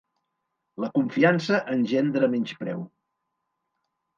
La confiança engendra menyspreu.